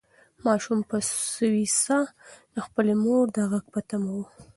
ماشوم په سوې ساه د خپلې مور د غږ په تمه و.